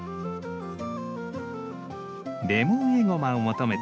レモンエゴマを求めて